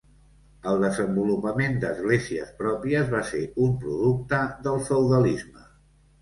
El desenvolupament d'esglésies pròpies va ser un producte del feudalisme.